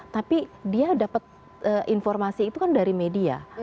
tapi dia dapat informasi itu kan dari media